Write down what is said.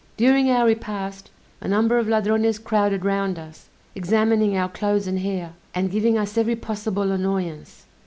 During our repast, a number of Ladrones crowded round us, examining our clothes and hair, and giving us every possible annoyance.